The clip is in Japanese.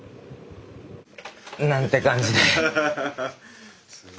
なんて感じで。